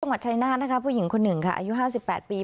จังหวัดชายนาฏนะคะผู้หญิงคนหนึ่งค่ะอายุ๕๘ปี